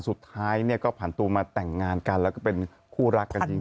สุดท้ายเนี่ยก็ผ่านตัวมาแต่งงานกันแล้วก็เป็นคู่รักกันจริง